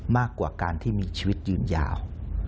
มากกว่าการที่มีชีวิตยืนยาว